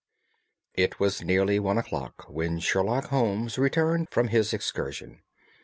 It was nearly one o'clock when Sherlock Holmes returned from his excursion.